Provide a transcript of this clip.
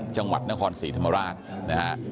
จังหวัดนครศรีธรรมราชนะฮะ